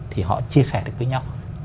thì họ chia sẻ được với nhau